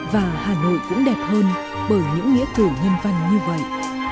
và hà nội cũng đẹp hơn bởi những nghĩa cử nhân văn như vậy